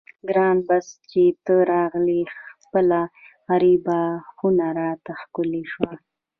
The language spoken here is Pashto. ګرانه بس چې ته راغلې خپله غریبه خونه راته ښکلې شوه.